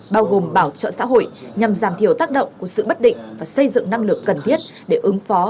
bao gồm bảo trợ xã hội nhằm giảm thiểu tác động của sự bất định và xây dựng năng lực cần thiết để ứng phó